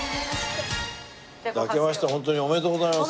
じゃああけましてホントにおめでとうございます。